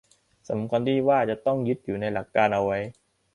สำคัญที่ว่าจะต้องอยู่ยึดในหลักการเอาไว้